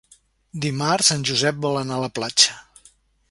Dimarts en Josep vol anar a la platja.